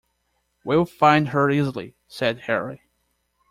"We will find her easily," said Harry.